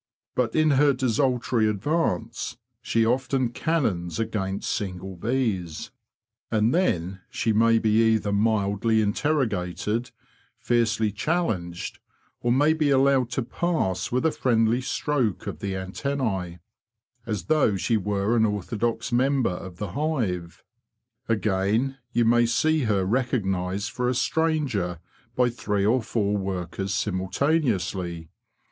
But in her desultory advance, she often cannons against single bees; and then she may be either mildly interrogated, fiercely challenged, or may be allowed to pass with a friendly stroke of the antennz, as though she were an orthodox member of the hive. Again, you may see her recognised for a stranger by three or four workers simultaneously.